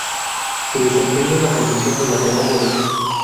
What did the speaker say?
Se desempeña en la posición de Lateral Derecho.